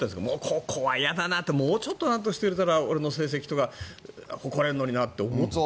ここは嫌だなもうちょっとなんとかしてくれたら俺の成績とか誇れるのになって思ってるの？